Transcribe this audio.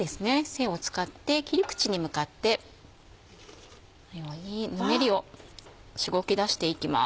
背を使って切り口に向かってこのようにぬめりをしごき出していきます。